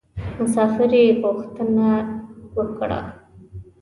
مسافر یې پوښتنه یې وکړه.